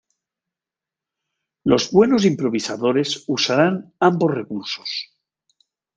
Los buenos improvisadores usarán ambos recursos.